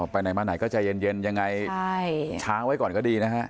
ไปไหนมาไหนก็ใจเย็นยังไงช้างไว้ก่อนก็ดีนะฮะ